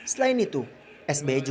selain itu sbi juga menghiasi